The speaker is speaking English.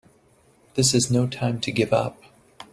This is no time to give up!